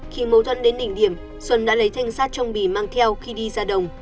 khi mâu thuẫn đến đỉnh điểm xuân đã lấy thanh sát trong bì mang theo khi đi ra đồng